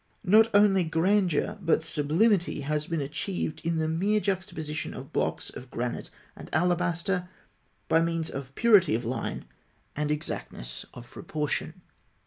Not only grandeur but sublimity has been achieved in the mere juxtaposition of blocks of granite and alabaster, by means of purity of line and exactness of proportion.